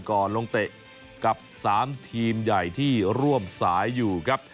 ก่อนลงเตะกับ๓ทีมใหญ่ที่ร่วมสายอยู่ครับ